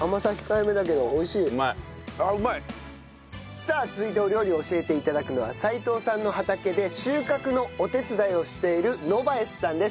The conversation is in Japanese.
さあ続いてお料理を教えて頂くのは齊藤さんの畑で収穫のお手伝いをしているノヴァエスさんです。